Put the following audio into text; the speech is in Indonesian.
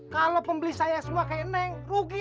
kalau pembeli saya semua kayak neng rugi